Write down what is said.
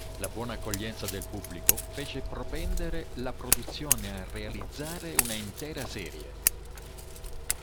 La buona accoglienza del pubblico fece propendere la produzione a realizzare una intera serie.